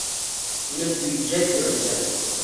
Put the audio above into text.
Uni “byudjet” deb atashadi.